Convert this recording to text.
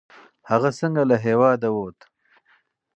هغه څنګه له هیواده ووت؟